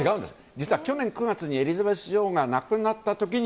実は去年９月にエリザベス女王が亡くなった時に